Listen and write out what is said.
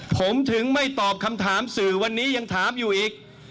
ผมถึงไม่ตอบคำถามสื่อวันนี้ยังถามอยู่อีก